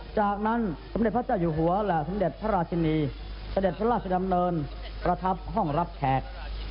จากนั้นสมเด็จพระเจ้าอยู่หัวและสมเด็จพระราชินีเสด็จพระราชดำเนินประทับห้องรับแขก